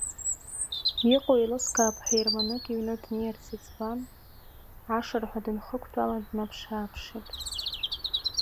Иҟоу еилыскаап ҳәа ерманык иҩны днеирц иӡбан, ашырҳәа дынхықәтәалан даанаԥш-ааԥшит.